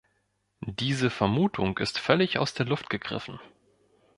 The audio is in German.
Diese Vermutung ist völlig aus der Luft gegriffen.